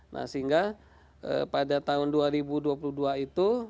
nah sehingga pada tahun dua ribu dua puluh dua itu